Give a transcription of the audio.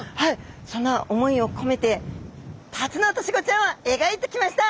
そんな思いをこめてタツノオトシゴちゃんをえがいてきました！